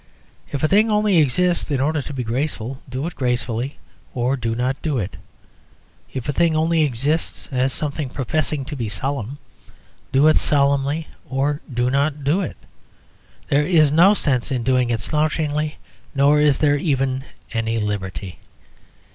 If a thing only exists in order to be graceful, do it gracefully or do not do it. If a thing only exists as something professing to be solemn, do it solemnly or do not do it. There is no sense in doing it slouchingly; nor is there even any liberty.